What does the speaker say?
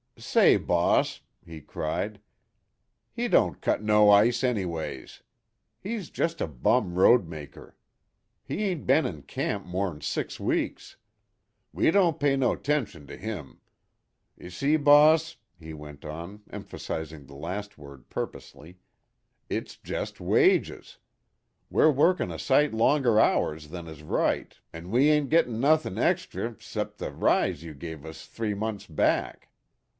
"Say, boss," he cried, "he don't cut no ice, anyways. He's jest a bum roadmaker. He ain't bin in camp more'n six weeks. We don't pay no 'tention to him. Y'see, boss," he went on, emphasizing the last word purposely, "it's jest wages. We're workin' a sight longer hours than is right, an' we ain't gettin' nuthin' extry 'cep' the rise you give us three months back.